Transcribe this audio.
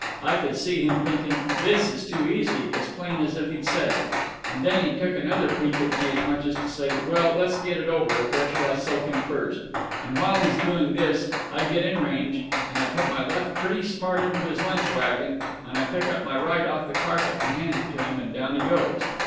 I could see him thinking 'This is too easy' as plain as if he'd said it. And then he took another peek at me, as much as to say, 'Well, let's get it over. Where shall I soak him first?' And while he's doing this I get in range and I put my left pretty smart into his lunch wagon and I pick up my right off the carpet and hand it to him, and down he goes.